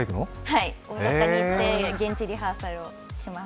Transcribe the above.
はい、行って現地リハーサルします。